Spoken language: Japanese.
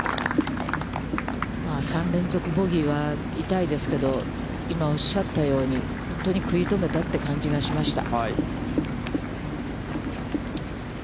３連続ボギーは痛いですけど、今おっしゃったように、本当に食い止めたという感じがしました。